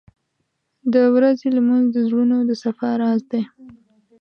• د ورځې لمونځ د زړونو د صفا راز دی.